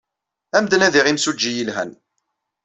Ad am-d-nadiɣ imsujji yelhan.